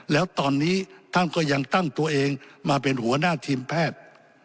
แล้วตอนนี้ท่านก็ยังตั้งตัวเองมาเป็นหัวหน้าทีมแพทย์